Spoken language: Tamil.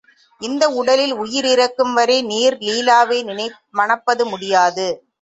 இந்த உடலில் உயிர் இருக்கும் வரை நீர் லீலாவை மணப்பது முடியாது!